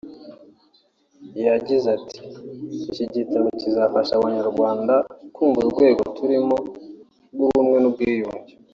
yagize ati ’’Iki gitabo kizafasha Abanyarwanda kumva urugendo tukirimo rw’ubumwe n’ubwiyunge